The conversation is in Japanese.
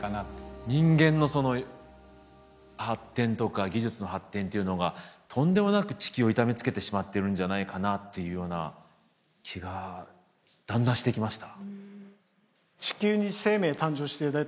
人間のその発展とか技術の発展というのがとんでもなく地球を痛めつけてしまってるんじゃないかなっていうような気がだんだんしてきました。